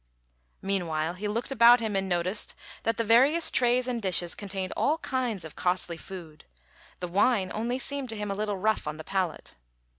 Meanwhile, he looked about him and noticed that the various trays and dishes contained all kinds of costly food; the wine only seemed to him a little rough on the palate.